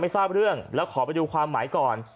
ทราบเรื่องแล้วขอไปดูความหมายก่อน